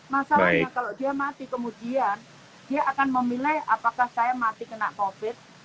masalahnya kalau dia mati kemudian dia akan memilih apakah saya mati kena covid